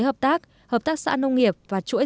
hợp tác hợp tác xã nông nghiệp và chuỗi